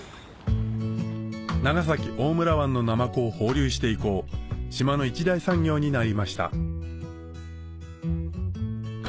長崎・大村湾のナマコを放流して以降島の一大産業になりましたか